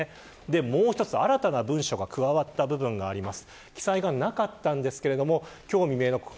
もう一つ、新たな文章が加わった部分があります。